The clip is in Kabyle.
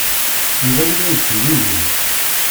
Yuba yella yettgugum.